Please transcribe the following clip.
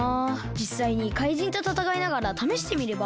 じっさいにかいじんとたたかいながらためしてみれば？